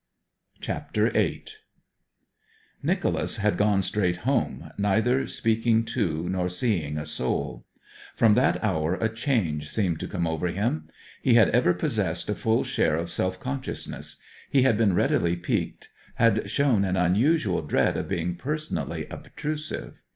CHAPTER VIII Nicholas had gone straight home, neither speaking to nor seeing a soul. From that hour a change seemed to come over him. He had ever possessed a full share of self consciousness; he had been readily piqued, had shown an unusual dread of being personally obtrusive.